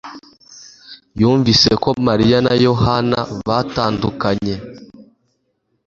yumvise ko mariya na yohana batandukanye